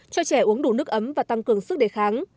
cho trẻ uống đủ nước ấm và tăng cường sức đề kháng